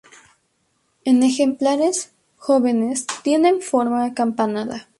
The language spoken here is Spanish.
En ejemplares jóvenes, tiene forma acampanada.